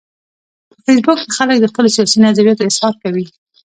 په فېسبوک کې خلک د خپلو سیاسي نظریاتو اظهار کوي